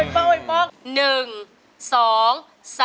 เห็นป้องเห็นป้อง